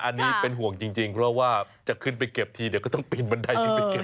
อันนี้เป็นห่วงจริงเพราะว่าจะขึ้นไปเก็บทีเดี๋ยวก็ต้องปีนบันไดขึ้นไปเก็บ